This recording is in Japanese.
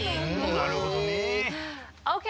なるほどね。ＯＫ！